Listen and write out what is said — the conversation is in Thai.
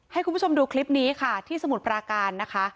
ให้คุณผู้ชมดูคลิปนี้ค่ะที่สมุทรปราการนะคะ